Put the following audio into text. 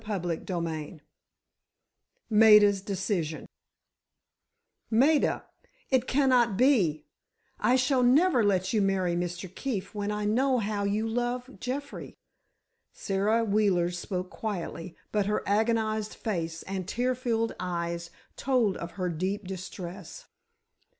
CHAPTER XVI MAIDA'S DECISION "Maida, it cannot be. I shall never let you marry Mr. Keefe when I know how you love Jeffrey." Sara Wheeler spoke quietly, but her agonized face and tear filled eyes told of her deep distress.